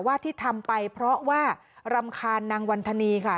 ที่ทำไปเพราะว่ารำคาญนางวันธนีค่ะ